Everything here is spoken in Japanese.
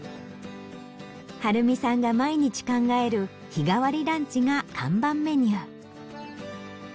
張美さんが毎日考える日替わりランチが看板メニュー。